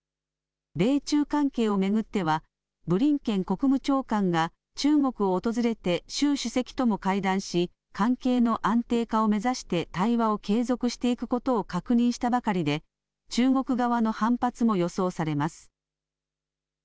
米中関係を巡ってはブリンケン国務長官が中国を訪れて習主席とも会談し関係の安定化を目指して対話を継続していくことを確認したばかりで中国側の反発も予想されます。